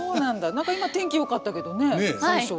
何か今天気よかったけどね最初は。